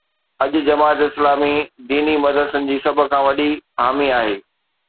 اڄ جماعت اسلامي ديني مدرسن جي سڀ کان وڏي حامي آهي.